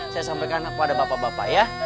saya sampaikan kepada bapak bapak ya